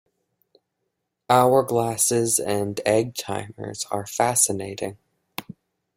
Hourglasses and egg timers are fascinating.